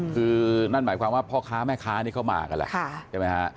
คือนั่นหมายความว่าพ่อค้าแม่ค้านี่เขามากันแหละใช่ไหมฮะ